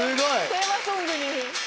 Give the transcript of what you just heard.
テーマソングに。